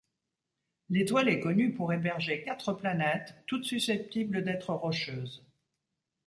L'étoile est connue pour héberger quatre planètes, toutes susceptibles d'être rocheuses.